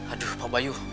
aduh pak bayu